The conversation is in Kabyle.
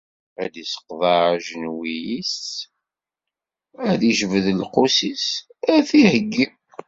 Ad d-isseqḍeɛ ajenwi-s, ad ijbed lqus-is, ad t-iheggi.